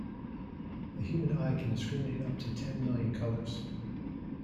The human eye can discriminate up to ten million colors.